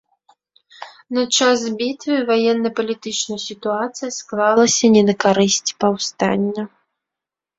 На час бітвы ваенна-палітычная сітуацыя склалася не на карысць паўстання.